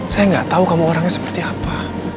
saya nggak tahu kamu orangnya seperti apa